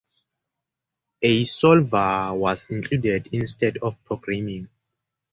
A solver was included instead of programming.